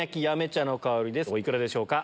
お幾らでしょうか？